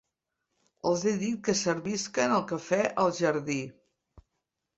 Els he dit que servisquen el café al jardí.